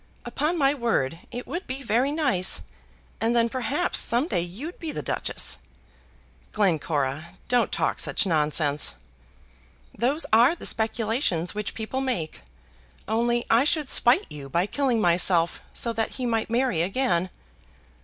"Upon my word it would be very nice; and then perhaps some day you'd be the Duchess." "Glencora, don't talk such nonsense." "Those are the speculations which people make. Only I should spite you by killing myself, so that he might marry again."